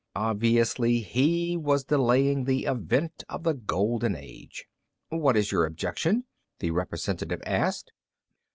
Obviously he was delaying the advent of the golden age. "What is your objection?" the representative asked.